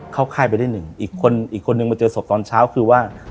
ค่ายไปได้หนึ่งอีกคนอีกคนนึงมาเจอศพตอนเช้าคือว่า